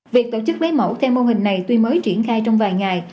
việc tổ chức lấy mẫu theo mô hình này tuy mới triển khai trong vài ngày